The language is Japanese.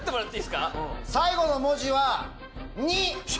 最後の文字は「ニ」。